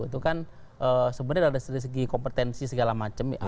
itu kan sebenarnya dari segi kompetensi segala macam